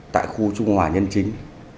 tại khu trung hòa nhân chính